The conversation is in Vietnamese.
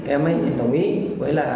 em ấy nhận đồng ý với là